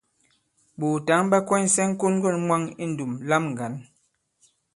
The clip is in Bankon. Ɓòòtǎŋ ɓa kwɛnysɛ ŋ̀kon-ŋgɔ̂n mwaŋ i ndùm lam ŋgǎn.